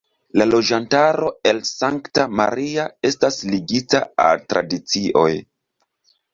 La loĝantaro el Sankta Maria estas ligita al tradicioj.